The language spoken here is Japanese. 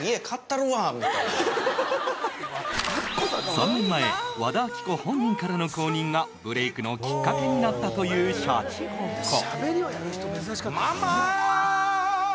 ３年前和田アキ子本人からの公認がブレイクのきっかけになったというシャチホコ。